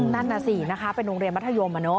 นั่นน่ะสินะคะเป็นโรงเรียนมัธยม